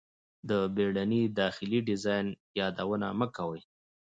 د بیړني داخلي ډیزاین یادونه مه کوئ